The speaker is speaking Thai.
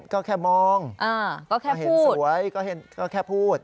ก็แค่มองก็แค่เห็นสวยก็แค่พูด